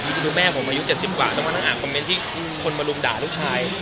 คือแม่ผมอายุ๗๐กว่าต้องมานั่งอ่านคอมเมนต์ที่คนมารุมด่าลูกชาย